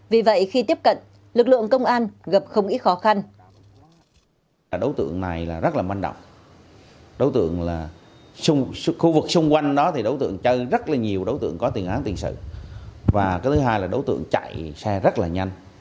vì vậy khi tiếp cận lực lượng công an gặp không ít khó khăn